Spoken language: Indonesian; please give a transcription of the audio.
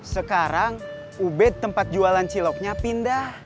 sekarang ubed tempat jualan ciloknya pindah